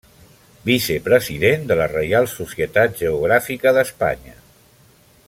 Vicepresident de la Reial Societat Geogràfica d'Espanya.